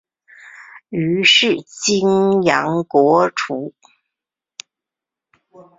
于是泾阳国除。